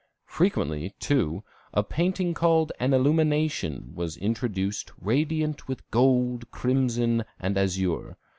Frequently, too, a painting called an illumination was introduced radiant with gold, crimson, and azure.